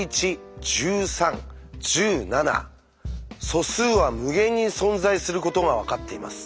素数は無限に存在することが分かっています。